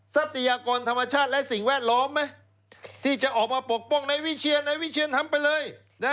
ทรัพยากรธรรมชาติและสิ่งแวดล้อมไหมที่จะออกมาปกป้องในวิเชียนในวิเชียนทำไปเลย